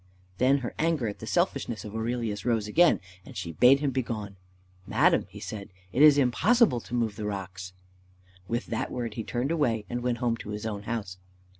Then her anger at the selfishness of Aurelius rose again, and she bade him begone. "Madam," he said, "it is impossible to move the rocks." With that word he turned away, and went home to his own house.